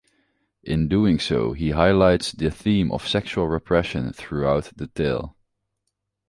In doing so, he highlights the theme of sexual repression throughout the tale.